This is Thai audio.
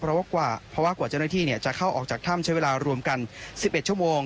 เพราะว่ากว่าเจ้าหน้าที่จะเข้าออกจากถ้ำใช้เวลารวมกัน๑๑ชั่วโมง